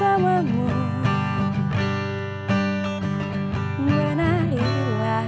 selamat untuk tina wakil pak argo i disentuhin